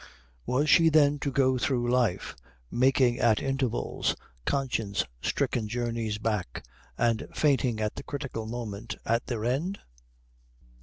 Was she then to go through life making at intervals conscience stricken journeys back, and fainting at the critical moment at their end?